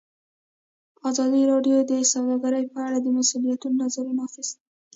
ازادي راډیو د سوداګري په اړه د مسؤلینو نظرونه اخیستي.